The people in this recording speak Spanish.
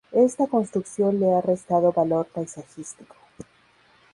Esta construcción le ha restado valor paisajístico.